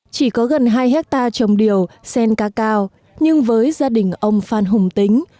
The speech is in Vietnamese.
chỉ có gần hai hectare trồng điều sen ca cao nhưng với gia đình ông phan hùng tính